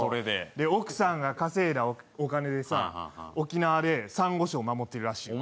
奥さんが稼いだお金で沖縄でさんご礁守ってるらしいねん。